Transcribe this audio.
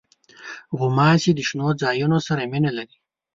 غوماشې د شنو ځایونو سره مینه لري.